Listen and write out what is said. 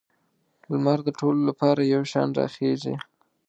لمر د ټولو لپاره یو شان راخیږي.